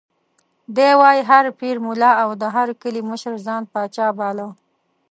دی وایي: هر پیر، ملا او د هر کلي مشر ځان پاچا باله.